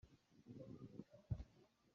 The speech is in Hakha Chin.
A hmai a rau kha a zawt caah a si.